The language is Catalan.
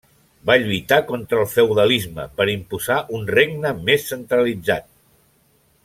Va lluitar contra el feudalisme per imposar un regne més centralitzat.